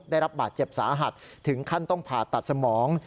ได้รับบาดเจ็บสาหัสถึงขั้นต้องผ่าตัดสมอง